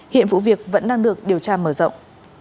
hiện vụ việc vẫn đang được điều tra mở rộng